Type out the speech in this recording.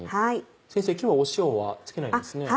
先生今日は塩は付けないんですね？